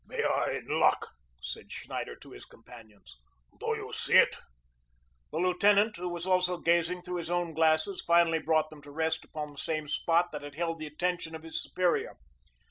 "We are in luck," said Schneider to his companions. "Do you see it?" The lieutenant, who was also gazing through his own glasses, finally brought them to rest upon the same spot that had held the attention of his superior.